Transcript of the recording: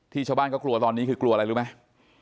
ชาวบ้านก็กลัวตอนนี้คือกลัวอะไรรู้ไหม